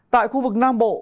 tại khu vực nam bộ